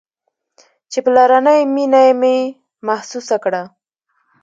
چې پلرنۍ مينه مې محسوسه کړه.